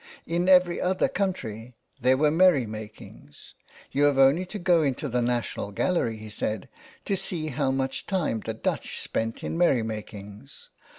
In every other country there were merry makings. " You have only to go into the National Gallery " he said, " to see how much time the Dutch spent in merry makings."